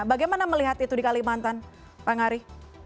bagaimana melihat itu di kalimantan bang ari